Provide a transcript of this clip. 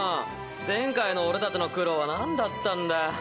前回の俺たちの苦労は何だったんだよ。